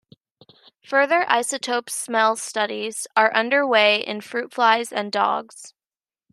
Further isotope smell studies are under way in fruit flies and dogs.